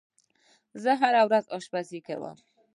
زه هره ورځ آشپزی کوم.